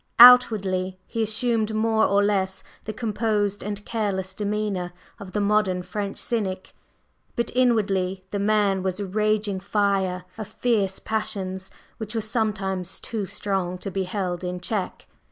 Outwardly he assumed more or less the composed and careless demeanor of the modern French cynic, but inwardly the man was a raging fire of fierce passions which were sometimes too strong to be held in check.